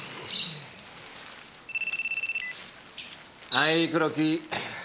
はい黒木。